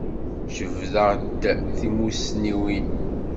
Jebdeɣ-d timussniwin.